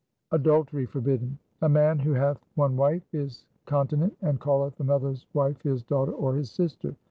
2 Adultery forbidden :— A man who hath one wife is continent and calleth another's wife his daughter or his sister.